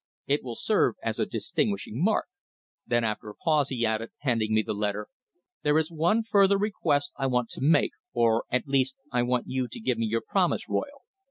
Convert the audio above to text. "It will serve as a distinguishing mark." Then, after a pause, he added, handing me the letter: "There is one further request I want to make or, at least, I want you to give me your promise, Royle.